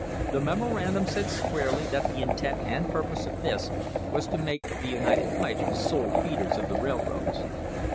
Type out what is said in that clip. The memorandum said squarely that the intent and purpose of this was to make the United Pipes the sole feeders of the railroads.